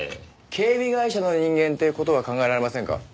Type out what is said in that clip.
警備会社の人間っていう事は考えられませんか？